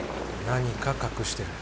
何か隠してる。